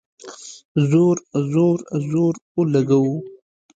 زور ، زور، زور اولګوو